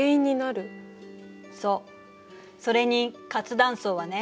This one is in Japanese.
それに活断層はね